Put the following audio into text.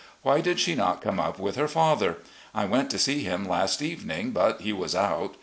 Why did she not come up with her father? I went to see him last evening, but he was out.